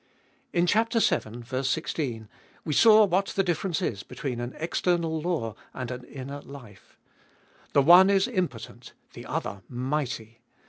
In chap. 7 (ver. 16) we saw what the difference is between an external law and an inner life. The one is impotent, the other mighty.